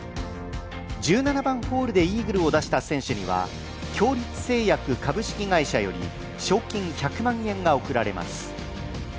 １７番ホールでイーグルを出した選手には共立製薬株式会社より賞金１００万円が贈られます。